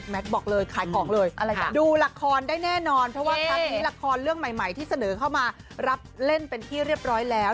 บอกเลยขายของเลยดูละครได้แน่นอนเพราะว่าครั้งนี้ละครเรื่องใหม่ที่เสนอเข้ามารับเล่นเป็นที่เรียบร้อยแล้ว